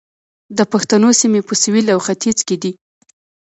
د پښتنو سیمې په سویل او ختیځ کې دي